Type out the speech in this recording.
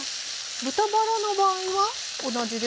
豚バラの場合は同じですか？